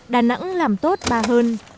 đà nẵng làm tốt ba hơn